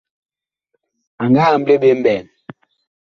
A nga amble ɓe mɓɛɛŋ.